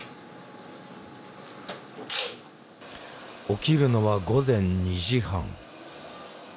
起きるのは午前２時半。